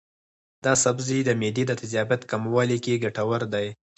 دا سبزی د معدې د تیزابیت کمولو کې ګټور دی.